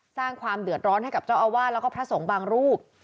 สร้างความเดือดร้อนให้กับเจ้าอาวาสแล้วก็พระสงฆ์บางรูป